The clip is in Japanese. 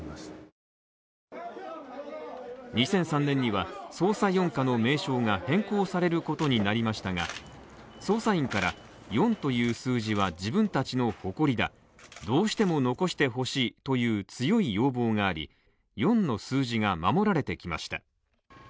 ２００３年には捜査四課の名称が変更されることになりましたが捜査員から「四」という数字は自分たちの誇りだ、どうしても残してほしいという強い要望があり「四」の数字が守られてきました。